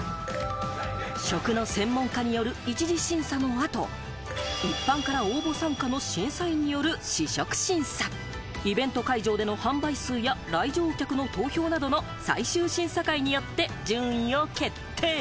食の専門家による一次審査の後、一般から応募参加の審査員による試食審査、イベント会場での販売数や来場客の投票などの最終審査会によって順位を決定。